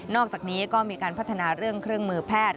อกจากนี้ก็มีการพัฒนาเรื่องเครื่องมือแพทย์